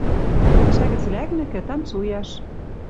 Пӓшӓ гӹц лӓкмӹкӹ, танцуяш.